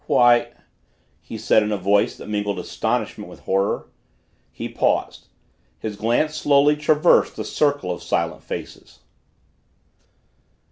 "Why " he said in a voice that mingled astonishment with horror. He paused. His glance slowly traversed the circle of silent faces.